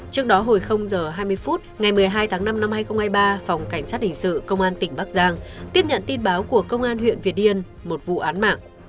trước đó hồi h hai mươi phút ngày một mươi hai tháng năm năm hai nghìn hai mươi ba phòng cảnh sát hình sự công an tỉnh bắc giang tiếp nhận tin báo của công an huyện việt yên một vụ án mạng